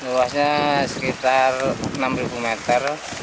luasnya sekitar enam meter